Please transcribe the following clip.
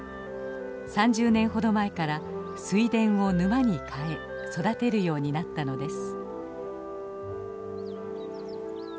３０年ほど前から水田を沼に変え育てるようになったのです。